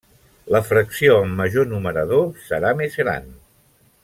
La fracció amb major numerador serà més gran.